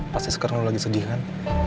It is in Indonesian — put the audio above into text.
pasti sekarang lo lagi sedih kan